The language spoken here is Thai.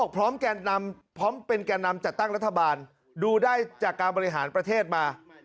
พร้อมเป็นแก่นำจัดตั้งรัฐบาลดูได้จากการบริหารประเทศมา